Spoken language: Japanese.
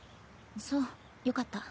そうよかった。